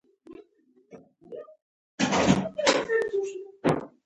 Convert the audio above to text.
همدا مې بس دي.